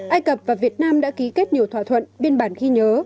ai cập và việt nam đã ký kết nhiều thỏa thuận biên bản ghi nhớ